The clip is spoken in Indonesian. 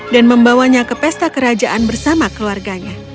dan membawanya ke pesta kerajaan bersama keluarganya